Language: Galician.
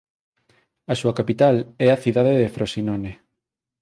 A súa capital é a cidade de Frosinone.